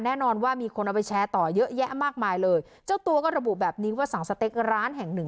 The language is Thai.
แน่นอนว่ามีคนเอาไปแชร์ต่อเยอะแยะมากมายเลยเจ้าตัวก็ระบุแบบนี้ว่าสั่งสเต็กร้านแห่งหนึ่ง